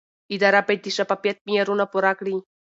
اداره باید د شفافیت معیارونه پوره کړي.